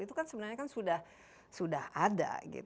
itu kan sebenarnya kan sudah ada